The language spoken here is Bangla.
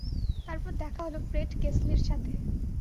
তারপর দেখা হলো ফ্রেড কেসলির সাথে।